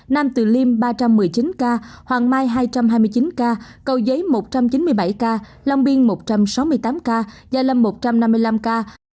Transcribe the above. nam từ liêm ba trăm một mươi chín ca hoàng mai hai trăm hai mươi chín ca cầu giấy một trăm chín mươi bảy ca long biên một trăm sáu mươi tám ca gia lâm một trăm năm mươi năm ca